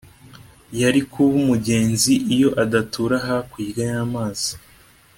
Yari kuba umugenzi iyo adatura hakurya y'amazi